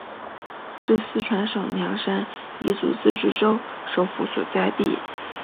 是四川省凉山彝族自治州首府所在地。